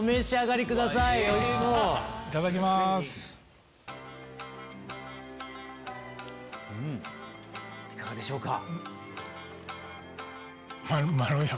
いかがでしょうか？